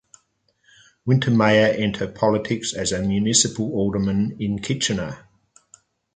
Wintermeyer enter politics as a municipal alderman in Kitchener.